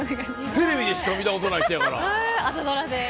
テレビでしか見たことない人朝ドラで。